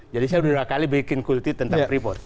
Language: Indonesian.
jadi saya udah dua kali bikin kultuit tentang pribun